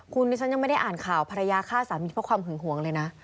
คุณดิฉันยังไม่ได้อ่านข่าวภรรยาฆ่าสามีเพราะความหึงหวงเลยนะ